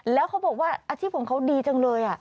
แล้วเขาบอกว่าอาชีพของเขาดีจังเลย